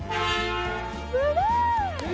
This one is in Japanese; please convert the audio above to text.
すごい！何？